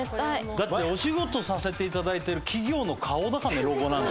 「だってお仕事させて頂いてる企業の顔だからねロゴなんて」